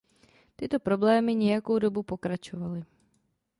Tyto problémy nějakou dobu pokračovaly.